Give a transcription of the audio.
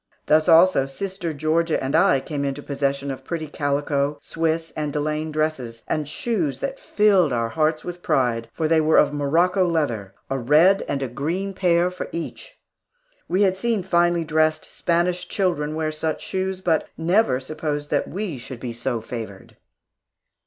Thus, also, Sister Georgia and I came into possession of pretty calico, Swiss, and delaine dresses, and shoes that filled our hearts with pride, for they were of Morocco leather, a red and a green pair for each. We had seen finely dressed Spanish children wear such shoes, but never supposed that we should be so favored.